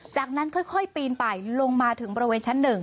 จากนั้นค่อยปีนไปลงมาถึงบริเวณชั้น๑